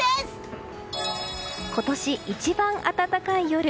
今年一番暖かい夜。